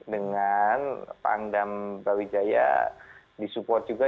dengan pangdam brawijaya disupport juga